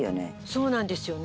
そうなんですよね。